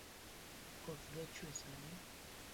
Koth dwa chwee sani